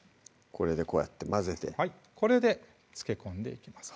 これでこうやって混ぜてこれで漬け込んでいきます